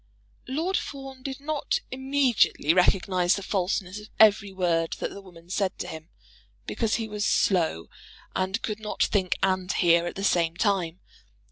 Lord Fawn did not immediately recognise the falseness of every word that the woman said to him, because he was slow and could not think and hear at the same time.